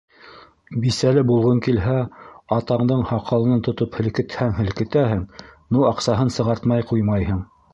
Бисәле булғың килһә, атаңдың һаҡалынан тотоп һелкетһәң һелкетәһең, ну аҡсаһын сығартмай ҡуймайһың!